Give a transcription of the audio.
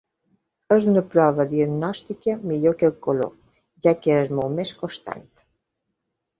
És una prova diagnòstica millor que el color, ja que és molt més constant.